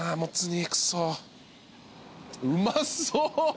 うまそう！